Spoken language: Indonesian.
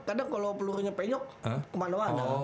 kadang kalo pelurunya penyok kemana mana